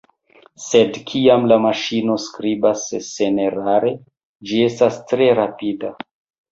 Sed, kiam la maŝino skribas senerare, ĝi estas tre rapida.